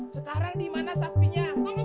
sekarang dimana sapinya